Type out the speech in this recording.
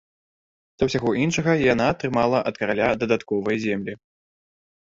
Да ўсяго іншага, яна атрымала ад караля дадатковыя землі.